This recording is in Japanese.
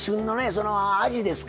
そのあじですか。